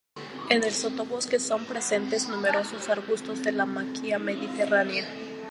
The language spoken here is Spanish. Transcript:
En el sotobosque son presentes numerosos arbustos de la maquia mediterránea.